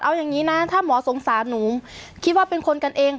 เอาอย่างนี้นะถ้าหมอสงสารหนูคิดว่าเป็นคนกันเอง